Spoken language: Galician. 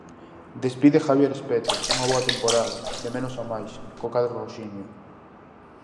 Despide Javier Espeto unha boa temporada, de menos a máis, co cadro roxiño.